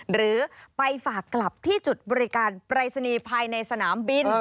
หรือไปฝากกลับที่จุดบริการปรายศนีย์ภายในสนามบิน